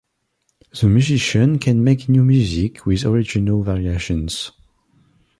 The musician can make new music with original variations.